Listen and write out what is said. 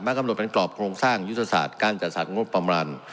กำหนดเป็นกรอบโครงสร้างยุทธศาสตร์การจัดสรรงบประมาณ